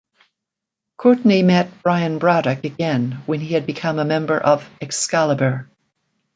Courtney met Brian Braddock again, when he had become a member of "Excalibur".